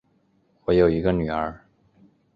我有一个女儿